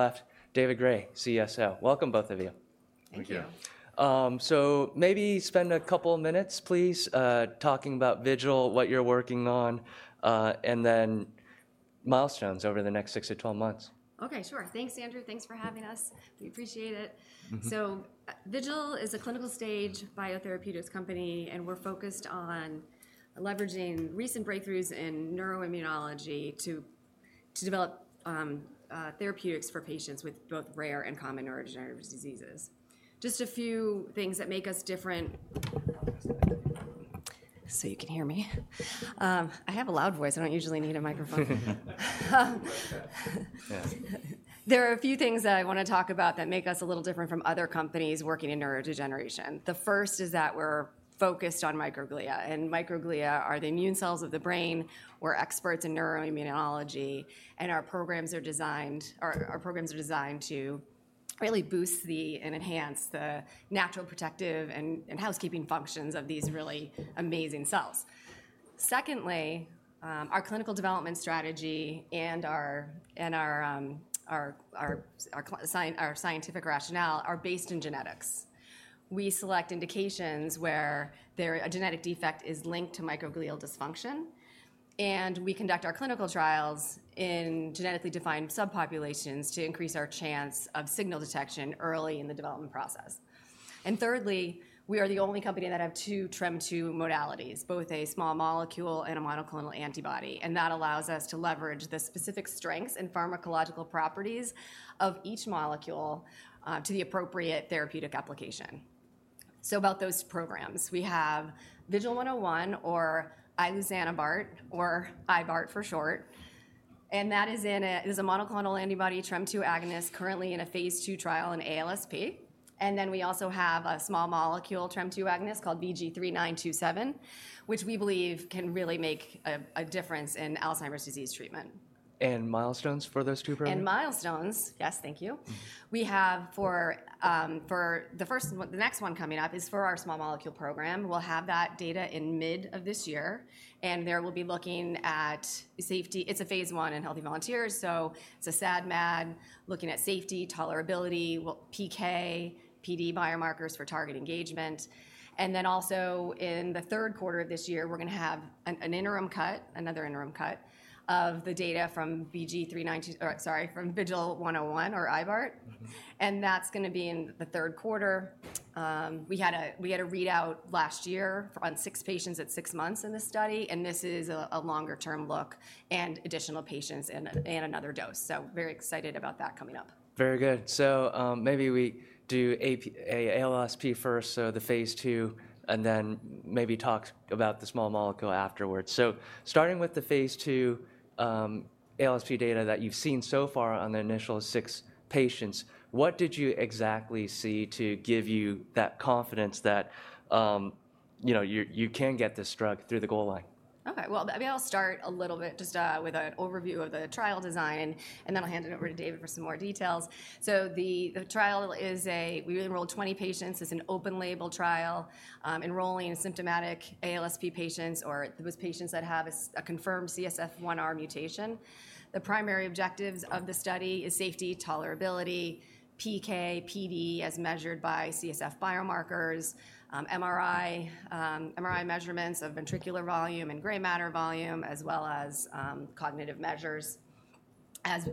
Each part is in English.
left, David Gray, CSO. Welcome, both of you. Thank you. Thank you. Maybe spend a couple of minutes, please, talking about Vigil, what you're working on, and then milestones over the next 6-12 months. Okay, sure. Thanks, Andrew. Thanks for having us. We appreciate it. Mm-hmm. So, Vigil is a clinical stage biotherapeutics company, and we're focused on leveraging recent breakthroughs in neuroimmunology to develop therapeutics for patients with both rare and common neurodegenerative diseases. Just a few things that make us different... So you can hear me. I have a loud voice. I don't usually need a microphone. Yeah. There are a few things that I wanna talk about that make us a little different from other companies working in neurodegeneration. The first is that we're focused on microglia, and microglia are the immune cells of the brain. We're experts in neuroimmunology, and our programs are designed to really boost the and enhance the natural protective and housekeeping functions of these really amazing cells. Secondly, our clinical development strategy and our scientific rationale are based in genetics. We select indications where a genetic defect is linked to microglial dysfunction, and we conduct our clinical trials in genetically defined subpopulations to increase our chance of signal detection early in the development process. And thirdly, we are the only company that have two TREM2 modalities, both a small molecule and a monoclonal antibody, and that allows us to leverage the specific strengths and pharmacological properties of each molecule to the appropriate therapeutic application. So about those programs, we have VGL101, or iluzanebart, or ibart for short, and that is a monoclonal antibody TREM2 agonist currently in a Phase 2 trial in ALSP. And then we also have a small molecule TREM2 agonist called VG-3927, which we believe can really make a difference in Alzheimer's disease treatment. Milestones for those two programs? Milestones, yes, thank you. Mm-hmm. We have for the first one, the next one coming up is for our small molecule program. We'll have that data in mid of this year, and there we'll be looking at safety. It's a phase 1 in healthy volunteers, so it's a SAD/MAD, looking at safety, tolerability, what PK, PD biomarkers for target engagement. And then also in the third quarter of this year, we're gonna have an interim cut, another interim cut, of the data from VGL101 or iluzanebart. Mm-hmm. That's gonna be in the third quarter. We had a readout last year on 6 patients at 6 months in this study, and this is a longer-term look and additional patients and another dose. Very excited about that coming up. Very good. So, maybe we do ALSP first, so the phase 2, and then maybe talk about the small molecule afterwards. So starting with the phase 2, ALSP data that you've seen so far on the initial six patients, what did you exactly see to give you that confidence that, you know, you can get this drug through the goal line? Okay, well, maybe I'll start a little bit just with an overview of the trial design, and then I'll hand it over to David for some more details. So the trial is. We enrolled 20 patients. It's an open-label trial, enrolling symptomatic ALSP patients or those patients that have a confirmed CSF1R mutation. The primary objectives of the study is safety, tolerability, PK, PD, as measured by CSF biomarkers, MRI, MRI measurements of ventricular volume and gray matter volume, as well as cognitive measures. As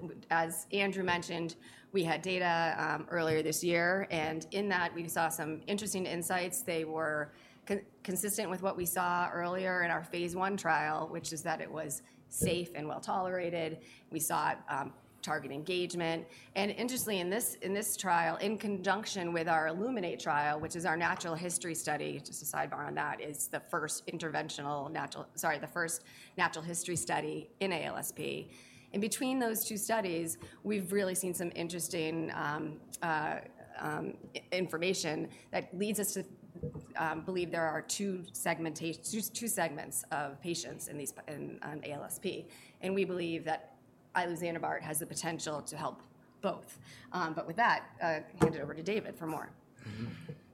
Andrew mentioned, we had data earlier this year, and in that, we saw some interesting insights. They were consistent with what we saw earlier in our phase 1 trial, which is that it was safe and well-tolerated. We saw target engagement, and interestingly, in this trial, in conjunction with our ILLUMINATE trial, which is our natural history study, just a sidebar on that, is the first natural history study in ALSP. And between those two studies, we've really seen some interesting information that leads us to believe there are two segments of patients in ALSP, and we believe that iluzanebart has the potential to help both. But with that, hand it over to David for more. Mm-hmm.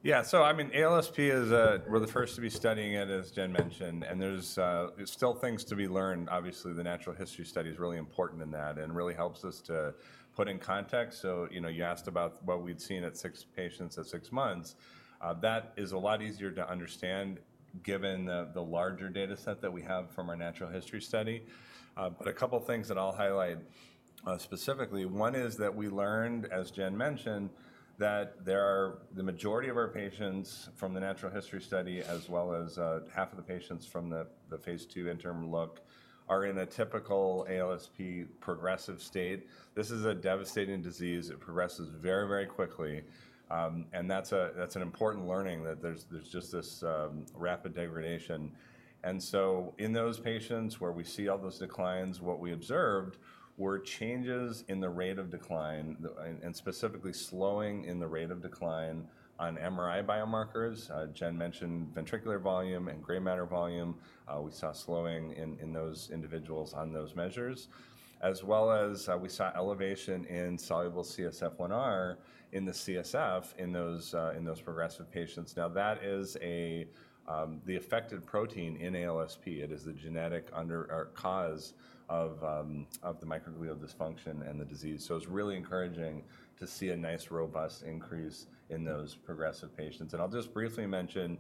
Yeah. So I mean, ALSP is a... We're the first to be studying it, as Jen mentioned, and there's, there's still things to be learned. Obviously, the natural history study is really important in that and really helps us to put in context. So, you know, you asked about what we'd seen at 6 patients at 6 months. That is a lot easier to understand, given the larger data set that we have from our natural history study. But a couple things that I'll highlight, specifically, one is that we learned, as Jen mentioned, that there are, the majority of our patients from the natural history study, as well as, half of the patients from the Phase 2 interim look, are in a typical ALSP progressive state. This is a devastating disease. It progresses very, very quickly, and that's a, that's an important learning, that there's just this rapid degradation. And so in those patients where we see all those declines, what we observed were changes in the rate of decline, and specifically slowing in the rate of decline on MRI biomarkers. Jen mentioned ventricular volume and gray matter volume. We saw slowing in those individuals on those measures, as well as we saw elevation in soluble CSF1R in the CSF in those progressive patients. Now, that is a, the affected protein in ALSP. It is the genetic under or cause of, of the microglial dysfunction and the disease. So it's really encouraging to see a nice, robust increase in those progressive patients. I'll just briefly mention,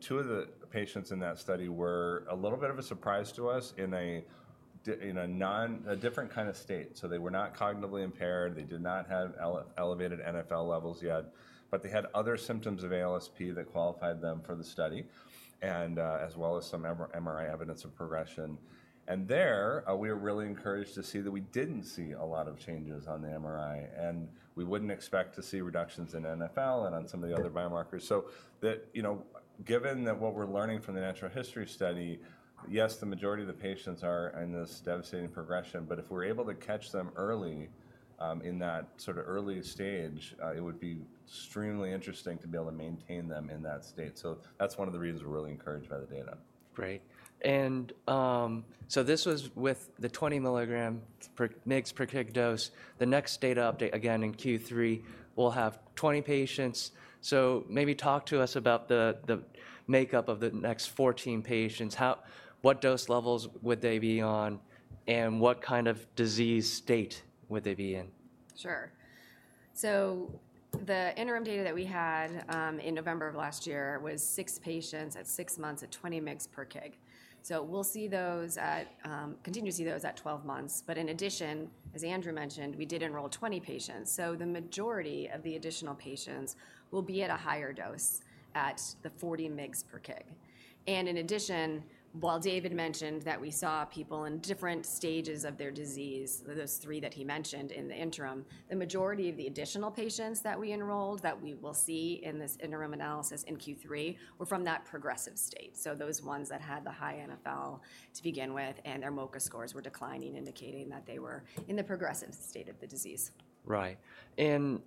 two of the patients in that study were a little bit of a surprise to us in a different kind of state. So they were not cognitively impaired, they did not have elevated NfL levels yet, but they had other symptoms of ALSP that qualified them for the study, and, as well as some MRI evidence of progression. And there, we were really encouraged to see that we didn't see a lot of changes on the MRI, and we wouldn't expect to see reductions in NfL and on some of the other biomarkers. So that, you know, given that what we're learning from the natural history study, yes, the majority of the patients are in this devastating progression, but if we're able to catch them early in that sort of early stage, it would be extremely interesting to be able to maintain them in that state. So that's one of the reasons we're really encouraged by the data. Great. And, so this was with the 20 mg/kg dose. The next data update, again in Q3, will have 20 patients. So maybe talk to us about the makeup of the next 14 patients. What dose levels would they be on, and what kind of disease state would they be in? Sure. So the interim data that we had in November of last year was six patients at six months at 20 mg/kg. So we'll see those at, continue to see those at 12 months. But in addition, as Andrew mentioned, we did enroll 20 patients, so the majority of the additional patients will be at a higher dose at the 40 mg/kg. And in addition, while David mentioned that we saw people in different stages of their disease, those three that he mentioned in the interim, the majority of the additional patients that we enrolled, that we will see in this interim analysis in Q3, were from that progressive state. So those ones that had the high NfL to begin with, and their MoCA scores were declining, indicating that they were in the progressive state of the disease. Right. And,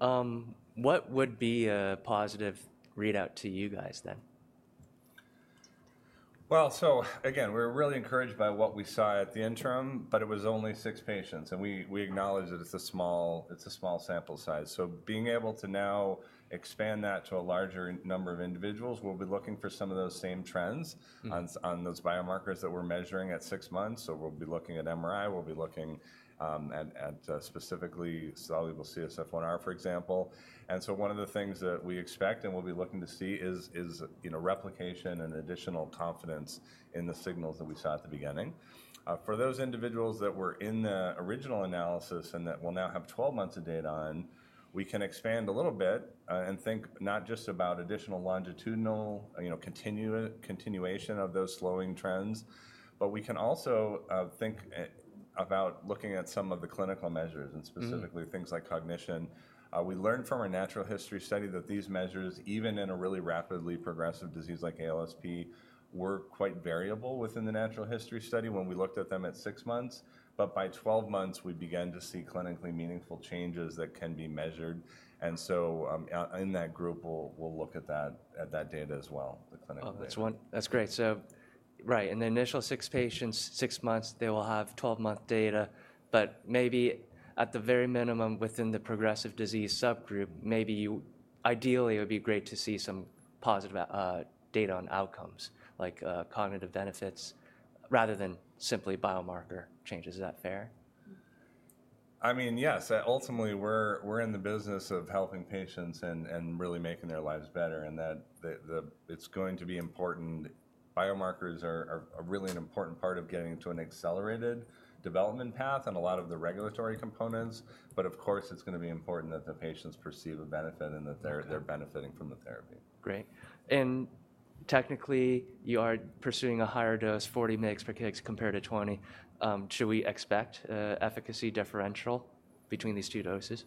what would be a positive readout to you guys, then? Well, so again, we're really encouraged by what we saw at the interim, but it was only 6 patients, and we, we acknowledge that it's a small, it's a small sample size. So being able to now expand that to a larger number of individuals, we'll be looking for some of those same trends- Mm. on those biomarkers that we're measuring at six months. So we'll be looking at MRI, we'll be looking at specifically soluble CSF1R, for example. And so one of the things that we expect, and we'll be looking to see, is you know, replication and additional confidence in the signals that we saw at the beginning. For those individuals that were in the original analysis and that we'll now have 12 months of data on, we can expand a little bit and think not just about additional longitudinal, you know, continuation of those slowing trends. But we can also think about looking at some of the clinical measures- Mm-hmm... and specifically things like cognition. We learned from our natural history study that these measures, even in a really rapidly progressive disease like ALSP, were quite variable within the natural history study when we looked at them at six months. But by 12 months, we began to see clinically meaningful changes that can be measured. And so, in that group, we'll look at that data as well, the clinical data. That's great. So, right, in the initial 6 patients, 6 months, they will have 12-month data. But maybe at the very minimum, within the progressive disease subgroup, ideally it would be great to see some positive data on outcomes like cognitive benefits, rather than simply biomarker changes. Is that fair? I mean, yes. Ultimately, we're in the business of helping patients and really making their lives better, and that it's going to be important. Biomarkers are really an important part of getting to an accelerated development path and a lot of the regulatory components. But of course, it's gonna be important that the patients perceive a benefit and that they're- Right... they're benefiting from the therapy. Great. Technically, you are pursuing a higher dose, 40 mg/kg, compared to 20. Should we expect a efficacy differential between these two doses?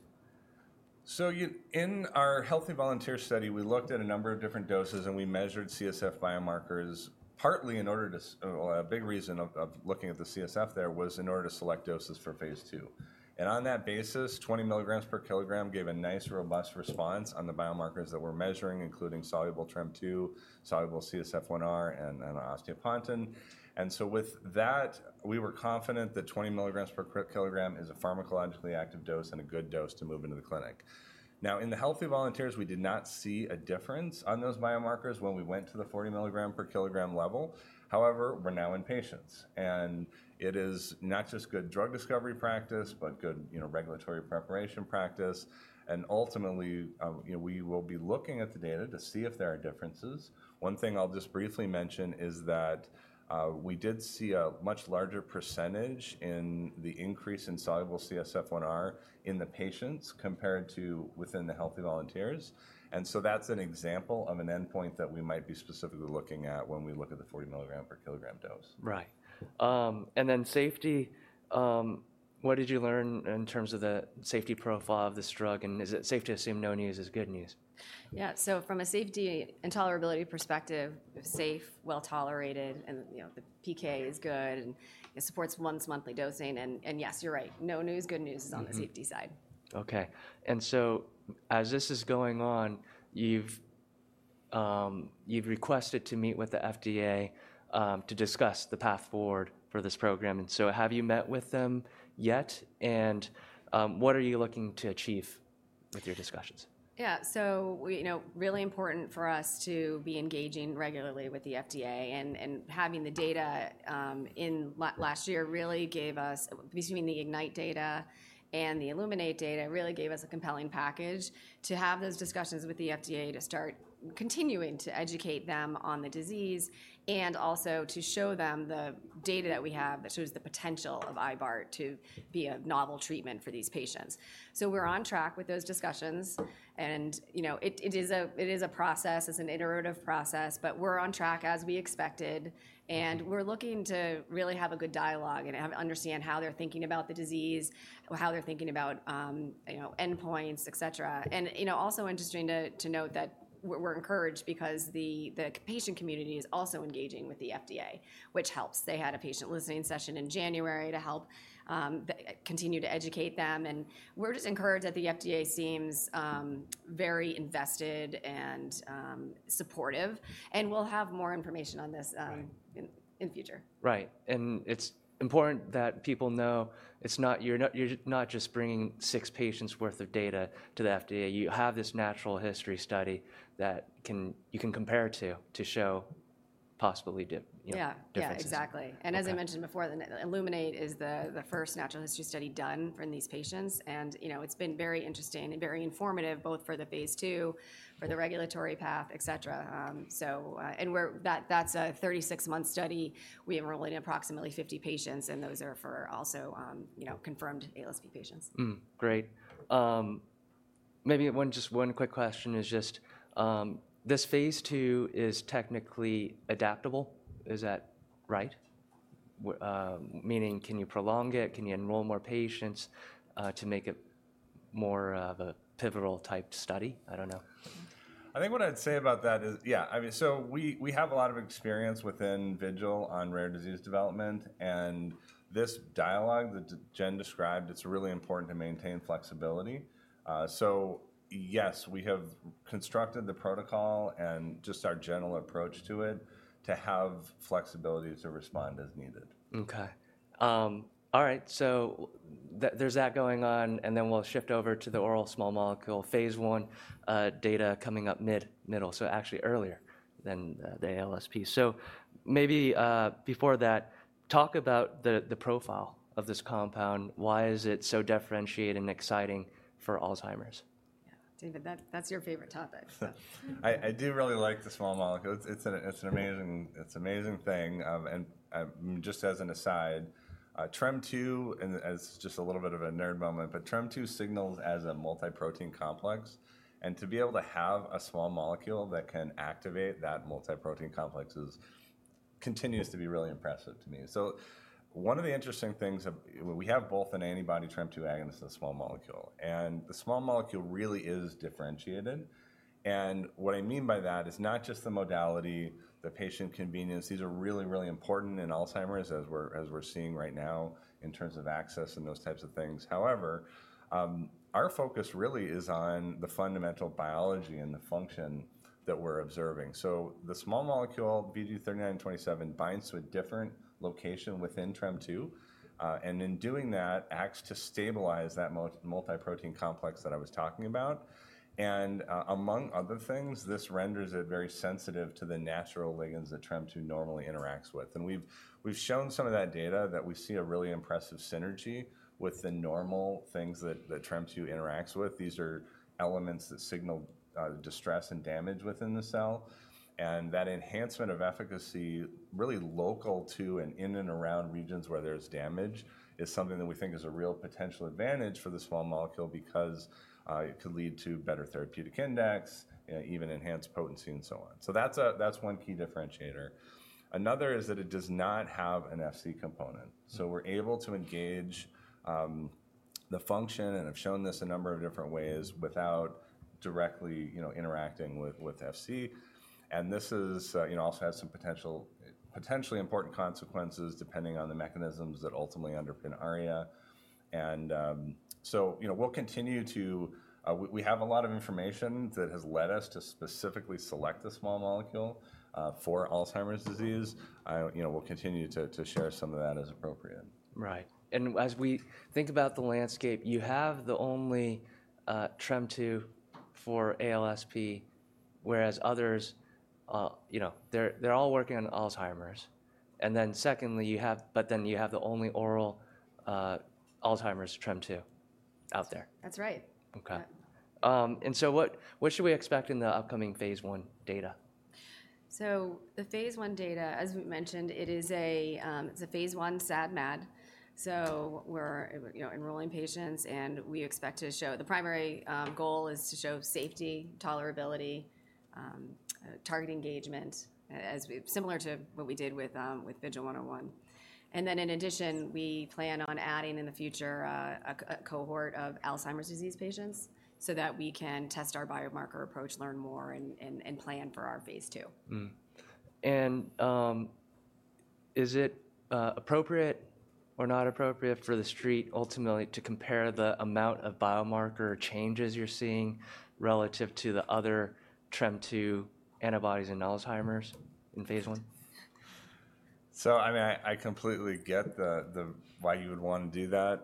So, you, in our healthy volunteer study, we looked at a number of different doses, and we measured CSF biomarkers, partly in order to—well, a big reason of looking at the CSF there was in order to select doses for phase 2. And on that basis, 20 milligrams per kilogram gave a nice, robust response on the biomarkers that we're measuring, including soluble TREM2, soluble CSF1R, and osteopontin. And so with that, we were confident that 20 milligrams per kilogram is a pharmacologically active dose and a good dose to move into the clinic. Now, in the healthy volunteers, we did not see a difference on those biomarkers when we went to the 40-milligram per kilogram level. However, we're now in patients, and it is not just good drug discovery practice, but good, you know, regulatory preparation practice. Ultimately, you know, we will be looking at the data to see if there are differences. One thing I'll just briefly mention is that, we did see a much larger percentage in the increase in soluble CSF1R in the patients, compared to within the healthy volunteers. So that's an example of an endpoint that we might be specifically looking at when we look at the 40 milligram per kilogram dose. Right. And then safety, what did you learn in terms of the safety profile of this drug, and is it safe to assume no news is good news? Yeah, so from a safety and tolerability perspective, safe, well-tolerated, and, you know, the PK is good, and it supports once-monthly dosing. And yes, you're right, no news, good news on the- Mm-hmm... safety side. Okay. And so as this is going on, you've requested to meet with the FDA to discuss the path forward for this program. And so have you met with them yet, and what are you looking to achieve... with your discussions? Yeah, so we, you know, really important for us to be engaging regularly with the FDA, and, and having the data, in last year really gave us, between the IGNITE data and the ILLUMINATE data, really gave us a compelling package to have those discussions with the FDA to start continuing to educate them on the disease, and also to show them the data that we have that shows the potential of iluzanebart to be a novel treatment for these patients. So we're on track with those discussions and, you know, it is a process. It's an iterative process, but we're on track as we expected, and we're looking to really have a good dialogue and understand how they're thinking about the disease or how they're thinking about, you know, endpoints, et cetera. You know, also interesting to note that we're encouraged because the patient community is also engaging with the FDA, which helps. They had a patient listening session in January to help continue to educate them, and we're just encouraged that the FDA seems very invested and supportive. We'll have more information on this. Right... in future. Right. And it's important that people know it's not... You're not, you're not just bringing six patients' worth of data to the FDA. You have this natural history study that you can compare to, to show possibly— you know. Yeah. Differences. Yeah, exactly. Okay. And as I mentioned before, the ILLUMINATE is the first natural history study done for these patients, and you know, it's been very interesting and very informative both for the Phase 2, for the regulatory path, et cetera. That's a 36-month study. We enrolled approximately 50 patients, and those are for also, you know, confirmed ALSP patients. Great. Maybe one, just one quick question is just, this Phase 2 is technically adaptable. Is that right? Meaning can you prolong it? Can you enroll more patients to make it more of a pivotal type study? I don't know. I think what I'd say about that is, yeah, I mean, so we, we have a lot of experience within Vigil on rare disease development, and this dialogue that Jen described, it's really important to maintain flexibility. So yes, we have constructed the protocol and just our general approach to it to have flexibility to respond as needed. Okay. All right, so there's that going on, and then we'll shift over to the oral small molecule phase 1 data coming up mid, middle, so actually earlier than the ALSP. So maybe before that, talk about the profile of this compound. Why is it so differentiated and exciting for Alzheimer's? Yeah, David, that's your favorite topic, so I do really like the small molecule. It's an amazing thing. And just as an aside, TREM2, and as just a little bit of a nerd moment, but TREM2 signals as a multi-protein complex, and to be able to have a small molecule that can activate that multi-protein complex is... continues to be really impressive to me. So one of the interesting things of... we have both an antibody TREM2 agonist and a small molecule, and the small molecule really is differentiated. And what I mean by that is not just the modality, the patient convenience. These are really, really important in Alzheimer's, as we're seeing right now in terms of access and those types of things. However, our focus really is on the fundamental biology and the function that we're observing. So the small molecule, VG-3927, binds to a different location within TREM2, and in doing that, acts to stabilize that multi-protein complex that I was talking about. And, among other things, this renders it very sensitive to the natural ligands that TREM2 normally interacts with. And we've shown some of that data, that we see a really impressive synergy with the normal things that TREM2 interacts with. These are elements that signal, distress and damage within the cell, and that enhancement of efficacy, really local to and in and around regions where there's damage, is something that we think is a real potential advantage for the small molecule because, it could lead to better therapeutic index, even enhanced potency, and so on. So that's one key differentiator. Another is that it does not have an Fc component. So we're able to engage the function, and I've shown this a number of different ways, without directly, you know, interacting with Fc. And this is, you know, also has some potentially important consequences, depending on the mechanisms that ultimately underpin ARIA. And so, you know, we'll continue to... We have a lot of information that has led us to specifically select the small molecule for Alzheimer's disease. I, you know, we'll continue to share some of that as appropriate. Right. And as we think about the landscape, you have the only TREM2 for ALSP, whereas others, you know, they're all working on Alzheimer's. And then secondly, you have... But then you have the only oral Alzheimer's TREM2 out there. That's right. Okay. Yeah. What should we expect in the upcoming phase 1 data? So the phase 1 data, as we mentioned, it is, it's a phase 1 SAD/MAD. So we're, you know, enrolling patients, and we expect to show... The primary goal is to show safety, tolerability, target engagement, similar to what we did with VGL101. And then in addition, we plan on adding, in the future, a cohort of Alzheimer's disease patients so that we can test our biomarker approach, learn more, and plan for our phase 2. Is it appropriate or not appropriate for the street ultimately to compare the amount of biomarker changes you're seeing relative to the other TREM2 antibodies in Alzheimer's in phase 1?... So, I mean, I completely get the why you would wanna do that.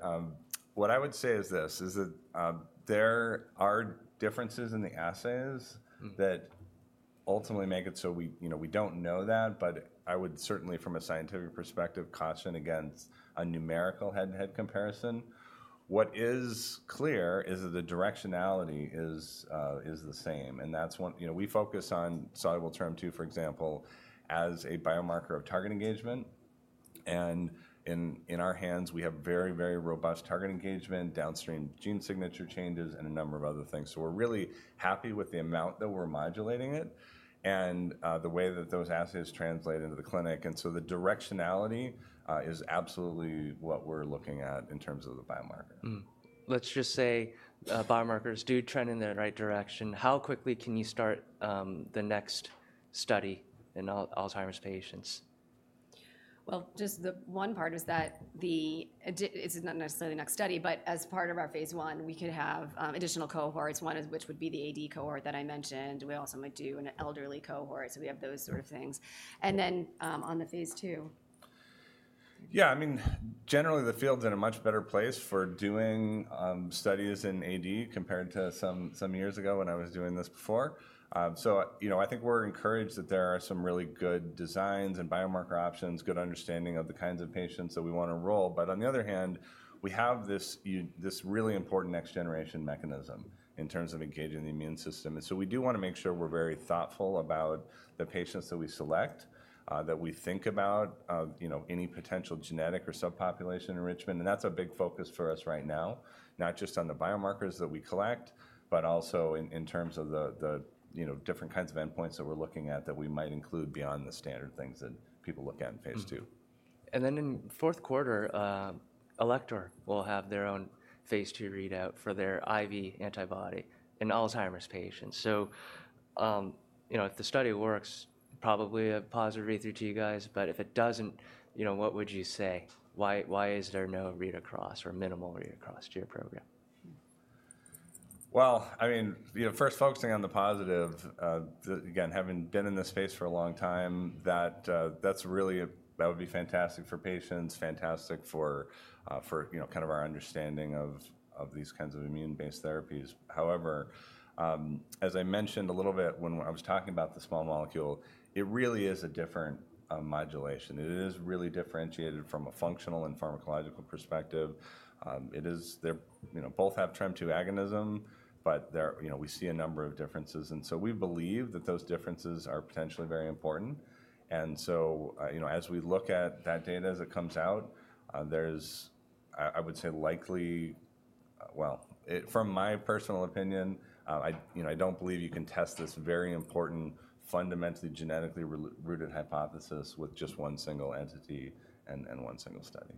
What I would say is this, is that, there are differences in the assays- Mm. that ultimately make it so we, you know, we don't know that. But I would certainly, from a scientific perspective, caution against a numerical head-to-head comparison. What is clear is that the directionality is the same, and that's when, you know, we focus on soluble TREM2, for example, as a biomarker of target engagement. And in our hands, we have very, very robust target engagement, downstream gene signature changes, and a number of other things. So we're really happy with the amount that we're modulating it and the way that those assays translate into the clinic. And so the directionality is absolutely what we're looking at in terms of the biomarker. Mm. Let's just say, biomarkers do trend in the right direction. How quickly can you start the next study in Alzheimer's patients? Well, just the one part is that the AD, this is not necessarily the next study, but as part of our phase 1, we could have additional cohorts. One is, which would be the AD cohort that I mentioned. We also might do an elderly cohort, so we have those sort of things. And then, on the phase 2. Yeah, I mean, generally, the field's in a much better place for doing studies in AD, compared to some years ago when I was doing this before. So, you know, I think we're encouraged that there are some really good designs and biomarker options, good understanding of the kinds of patients that we wanna enroll. But on the other hand, we have this really important next-generation mechanism in terms of engaging the immune system. And so we do wanna make sure we're very thoughtful about the patients that we select, that we think about, you know, any potential genetic or subpopulation enrichment. That's a big focus for us right now, not just on the biomarkers that we collect, but also in terms of the, you know, different kinds of endpoints that we're looking at that we might include beyond the standard things that people look at in Phase 2. And then in fourth quarter, Alector will have their own Phase 2 readout for their IV antibody in Alzheimer's patients. So, you know, if the study works, probably a positive readthrough to you guys. But if it doesn't, you know, what would you say? Why is there no read-across or minimal read-across to your program? Well, I mean, you know, first focusing on the positive. Again, having been in this space for a long time, that, that's really that would be fantastic for patients, fantastic for, for, you know, kind of our understanding of, of these kinds of immune-based therapies. However, as I mentioned a little bit when I was talking about the small molecule, it really is a different, modulation. It is really differentiated from a functional and pharmacological perspective. It is they are, you know, both have TREM2 agonism, but there, you know, we see a number of differences. And so we believe that those differences are potentially very important. And so, you know, as we look at that data as it comes out, there's, I would say, likely, well. From my personal opinion, I, you know, I don't believe you can test this very important, fundamentally, genetically re-rooted hypothesis with just one single entity and, and one single study.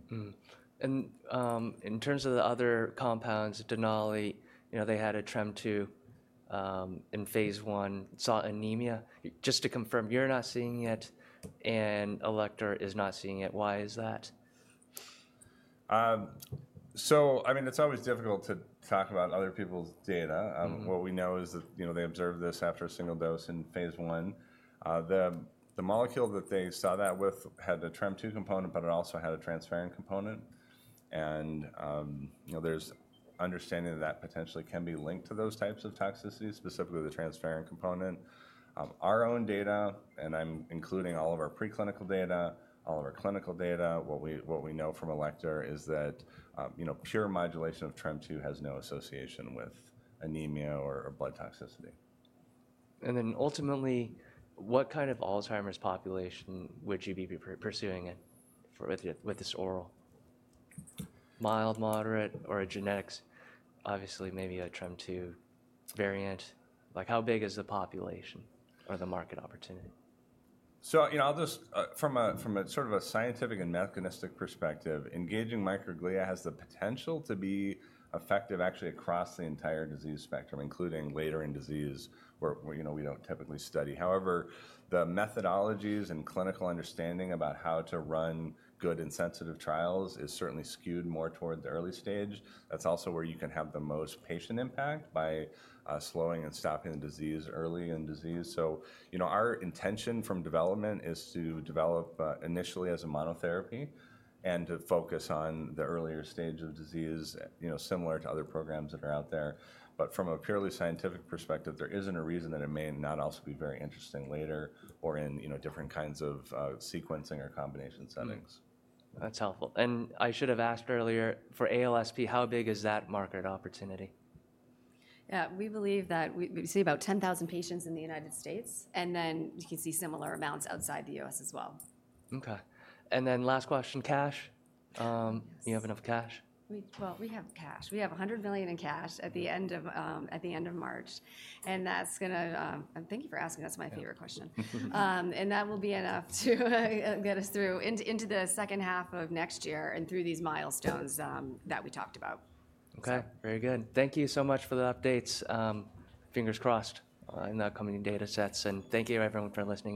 In terms of the other compounds, Denali, you know, they had a TREM2 in Phase 1, saw anemia. Just to confirm, you're not seeing it, and Alector is not seeing it. Why is that? So I mean, it's always difficult to talk about other people's data. Mm-hmm. What we know is that, you know, they observed this after a single dose in phase 1. The molecule that they saw that with had a TREM2 component, but it also had a transferrin component. You know, there's understanding that potentially can be linked to those types of toxicities, specifically the transferrin component. Our own data, and I'm including all of our preclinical data, all of our clinical data, what we know from Alector is that, you know, pure modulation of TREM2 has no association with anemia or blood toxicity. And then ultimately, what kind of Alzheimer's population would you be pursuing it for with, with this oral? Mild, moderate, or a genetics, obviously, maybe a TREM2 variant. Like, how big is the population or the market opportunity? So, you know, I'll just from a from a sort of a scientific and mechanistic perspective, engaging microglia has the potential to be effective actually across the entire disease spectrum, including later in disease, where you know, we don't typically study. However, the methodologies and clinical understanding about how to run good and sensitive trials is certainly skewed more toward the early stage. That's also where you can have the most patient impact by slowing and stopping the disease early in disease. So, you know, our intention from development is to develop initially as a monotherapy and to focus on the earlier stage of disease, you know, similar to other programs that are out there. But from a purely scientific perspective, there isn't a reason that it may not also be very interesting later or in, you know, different kinds of sequencing or combination settings. Mm. That's helpful. And I should have asked earlier, for ALSP, how big is that market opportunity? Yeah, we believe that we see about 10,000 patients in the United States, and then you can see similar amounts outside the U.S. as well. Okay. And then last question, cash. Yes. You have enough cash? Well, we have cash. We have $100 million in cash at the end of March, and that's gonna... Thank you for asking. That's my favorite question. And that will be enough to get us through into the second half of next year and through these milestones that we talked about. Okay. So- Very good. Thank you so much for the updates. Fingers crossed in the upcoming data sets. Thank you, everyone, for listening in.